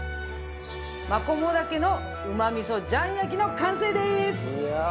マコモダケのうま味噌醤焼きの完成です！